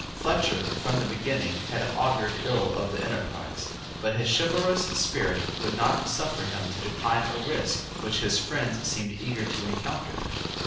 Fletcher, from the beginning, had augured ill of the enterprise: but his chivalrous spirit would not suffer him to decline a risk which his friends seemed eager to encounter.